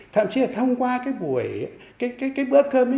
thậm chí là thông qua cái buổi cái bữa cơm ấy